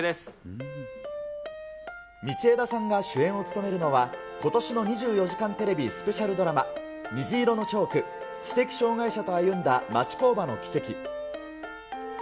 道枝さんが主演を務めるのは、ことしの２４時間テレビスペシャルドラマ、虹色のチョーク知的障がい者と歩んだ町工場のキセキ。